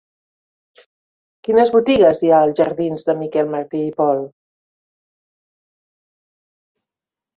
Quines botigues hi ha als jardins de Miquel Martí i Pol?